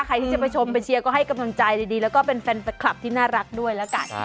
ใครที่จะไปชมไปเชียร์ก็ให้กำลังใจดีแล้วก็เป็นแฟนคลับที่น่ารักด้วยแล้วกัน